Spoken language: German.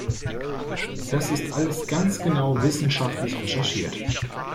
Das ist alles ganz genau wissenschaftlich recherchiert!